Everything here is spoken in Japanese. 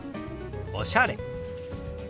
「おしゃれ」。